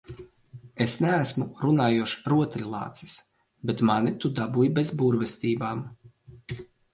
Es neesmu runājošs rotaļlācis, bet mani tu dabūji bez burvestībām.